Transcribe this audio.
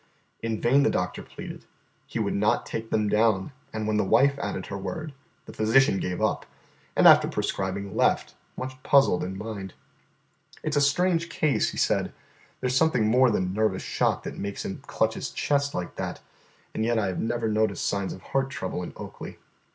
In vain the doctor pleaded; he would not take them down, and when the wife added her word, the physician gave up, and after prescribing, left, much puzzled in mind. "It 's a strange case," he said; "there 's something more than the nervous shock that makes him clutch his chest like that, and yet I have never noticed signs of heart trouble in Oakley.